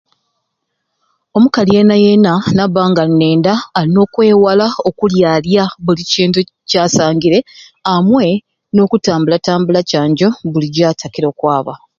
Omukali yeena yeena nabbanga alina enda alina okwewala okulyalya buli kintu kyasangire amwe nokutambula tambula canjo buli jatakire okwaba